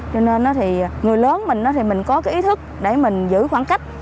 cho nên thì người lớn mình thì mình có cái ý thức để mình giữ khoảng cách